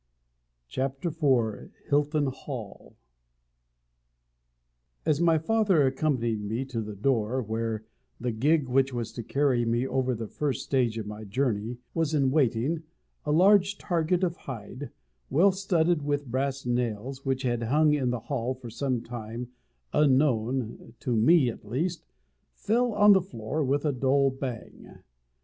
CHAPTER IV Hilton Hall. As my father accompanied me to the door, where the gig, which was to carry me over the first stage of my journey, was in waiting, a large target of hide, well studded with brass nails, which had hung in the hall for time unknown to me, at least fell on the floor with a dull bang.